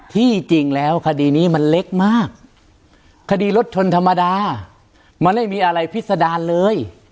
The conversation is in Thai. ที่จริงแล้วคดีนี้มันเล็กมากคดีรถชนธรรมดามันไม่มีอะไรพิษดารเลย